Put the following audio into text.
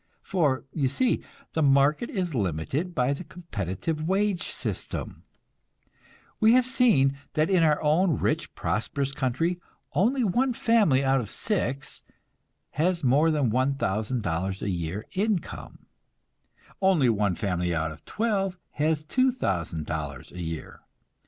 For, you see, the market is limited by the competitive wage system. We have seen that in our own rich, prosperous country only one family out of six has more than $1,000 a year income; only one family out of twelve has $2,000 a year.